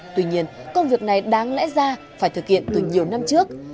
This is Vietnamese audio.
tuy nhiên công việc này đáng lẽ ra phải thực hiện từ nhiều năm trước